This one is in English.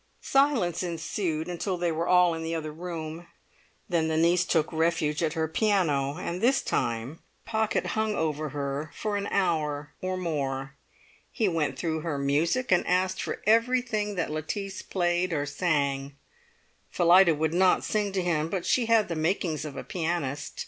Silence ensued until they were all in the other room; then the niece took refuge at her piano, and this time Pocket hung over her for an hour or more. He went through her music, and asked for everything that Lettice played or sang. Phillida would not sing to him, but she had the makings of a pianist.